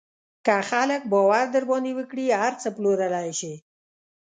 که خلک باور در باندې وکړي، هر څه پلورلی شې.